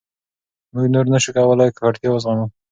موږ نور نه شو کولای ککړتیا وزغمو.